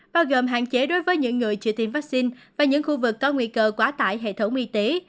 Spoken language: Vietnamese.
bao gồm hạn chế đối với những người chưa tiêm vaccine và những khu vực có nguy cơ quá tải hệ thống y tế